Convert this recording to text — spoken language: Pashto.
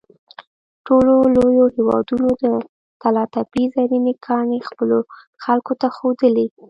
ټولو لویو هېوادونو د طلاتپې زرینې ګاڼې خپلو خلکو ته ښودلې.